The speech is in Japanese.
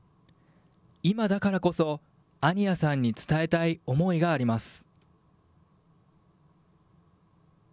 今だからこそ、安仁屋さんに伝えたい思いがあります。